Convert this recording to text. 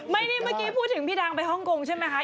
เมื่อกี้พูดถึงพี่ดังไปฮ่องกงใช่ไหมคะ